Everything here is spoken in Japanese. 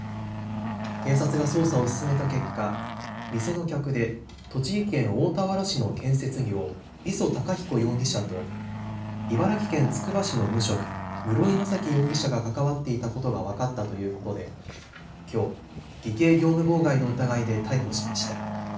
警察が捜査を進めた結果店の客で栃木県大田原市の建設業、礒隆彦容疑者と茨城県つくば市の無職、室井大樹容疑者が関わっていたことが分かったということできょう偽計業務妨害の疑いで逮捕しました。